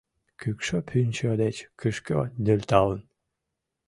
Кӱкшӧ пӱнчӧ деч кӱшкӧ нӧлталын